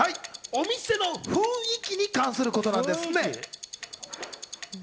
お店の雰囲気に関することなんですね。